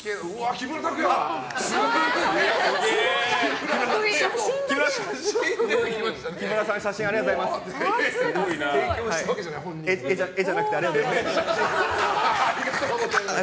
木村さんの写真ありがとうございます。